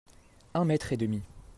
Un mètre et demi.